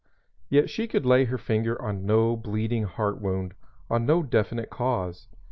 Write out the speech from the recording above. Yet she could lay her finger on no bleeding heart wound, on no definite cause.